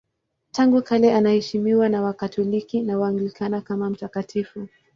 Tangu kale anaheshimiwa na Wakatoliki na Waanglikana kama mtakatifu.